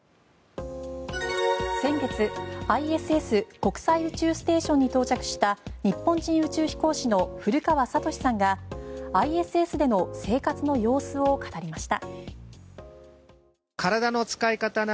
先月、ＩＳＳ・国際宇宙ステーションに到着した日本人宇宙飛行士の古川聡さんがＩＳＳでの生活の様子を語りました。